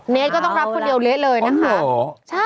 เนสก็ต้องรับคนเดียวเละเลยนะคะ